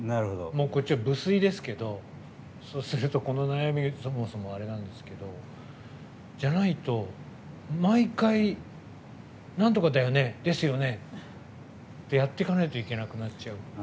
無粋ですけど、そうするとこの悩み、そもそもあれなんですけどじゃないと、毎回なんとかだよね、ですよねってやっていかないといけなくなっちゃう。